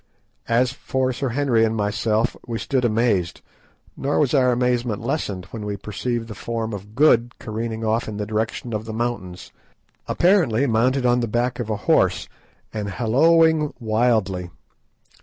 As for Sir Henry and myself, we stood amazed; nor was our amazement lessened when we perceived the form of Good careering off in the direction of the mountains, apparently mounted on the back of a horse and halloaing wildly.